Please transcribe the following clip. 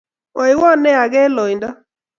Mwoiwo ne age eng lainda